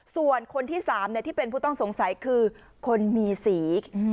ส่วนคนที่๓ที่เป็นผู้ต้องสงสัยคือคนมีสี